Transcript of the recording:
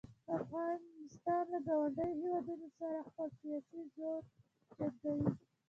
افغانستان له ګاونډیو هیوادونو سره خپل سیاسي زور جنګوي.